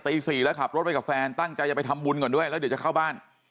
ตี๔แล้วขับรถไปกับแฟนตั้งใจจะไปทำบุญก่อนด้วยแล้วเดี๋ยวจะเข้าบ้าน